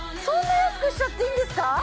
そんな安くしちゃっていいんですか？